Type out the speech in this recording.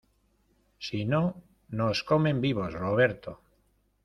si no, nos comen vivos. Roberto .